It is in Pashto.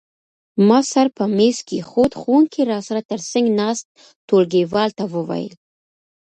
ما سر په مېز کېښود، ښوونکي را سره تر څنګ ناست ټولګیوال ته وویل.